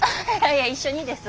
いや一緒にです。